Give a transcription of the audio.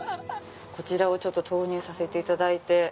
こちらをちょっと投入させていただいて。